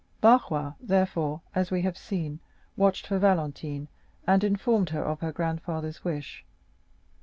Barrois, therefore, as we have seen, watched for Valentine, and informed her of her grandfather's wish.